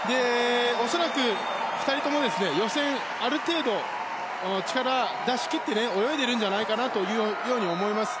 恐らく２人とも予選ある程度、力を出し切って泳いでいるんじゃないかなというように思います。